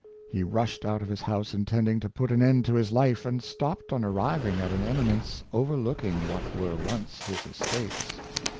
He rushed out of his house intending to put an end to his life, and stopped on arriving at an eminence overlooking what were once his estates.